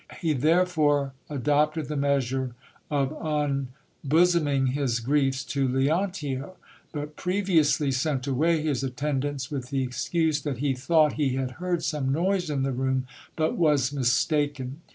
He therefore adopted the measure of unbosoming his griefs to Leontio ; but previously sent away his attendants with the excuse that he thought he had heard some noise in the room, but was mistaken.